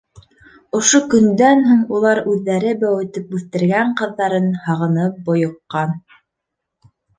Ошо көндән һуң улар үҙҙәре бәүетеп үҫтергән ҡыҙҙарын һағынып бойоҡҡан.